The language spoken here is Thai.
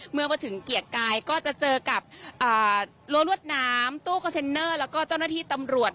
เมื่อมาถึงเกียรติกายก็จะเจอกับรั้วรวดน้ำตู้คอนเทนเนอร์แล้วก็เจ้าหน้าที่ตำรวจ